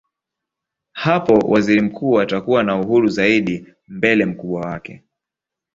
Hapo waziri mkuu atakuwa na uhuru zaidi mbele mkubwa wake.